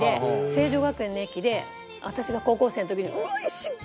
成城学園の駅で私が高校生の時にうわっ！